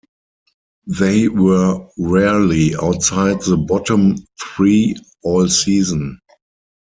They were rarely outside the bottom three all season.